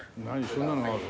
そんなのある？